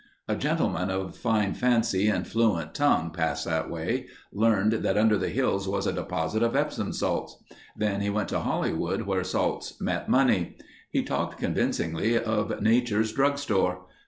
A gentleman of fine fancy and fluent tongue passed that way, learned that under the hills was a deposit of epsom salts. Then he went to Hollywood where salts met money. He talked convincingly of nature's drug store.